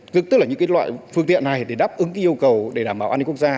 tức là những loại phương tiện này để đáp ứng yêu cầu để đảm bảo an ninh quốc gia